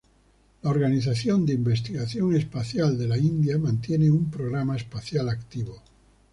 La Organización de Investigación Espacial de la India mantiene un programa espacial activo.